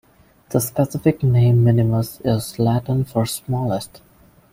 The specific name "minimus" is Latin for "smallest".